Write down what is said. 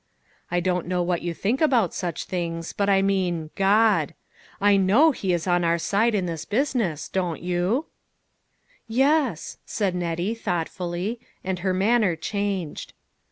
" I don't know what you think about such things, but I mean God. I know he is on our side in this business, don't you V " NEW FRIKNDS. 83 " Yes," said Nettie, thoughtfully, and her manner changed.